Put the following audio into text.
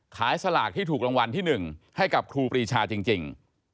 สลากที่ถูกรางวัลที่๑ให้กับครูปรีชาจริง